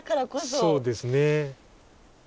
そうですね。